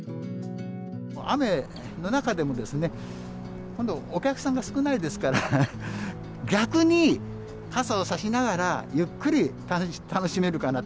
雨の中でも、お客さんが少ないですから、逆に傘を差しながら、ゆっくり楽しめるかな。